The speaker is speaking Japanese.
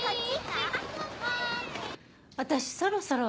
私そろそろ。